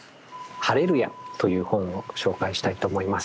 「ハレルヤ」という本を紹介したいと思います。